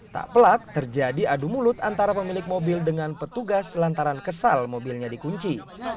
tak pelak terjadi adu mulut antara pemilik mobil dengan petugas lantaran kesal mobilnya dikunci